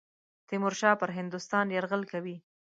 تیمورشاه پر هندوستان یرغل کوي.